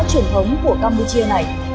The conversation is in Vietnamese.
truyền thống của campuchia này